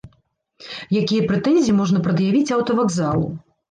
Якія прэтэнзіі можна прад'явіць аўтавакзалу?